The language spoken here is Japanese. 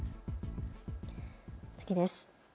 次です。